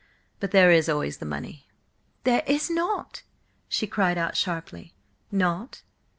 But there is always the money." "There is not," she cried out sharply. "Not?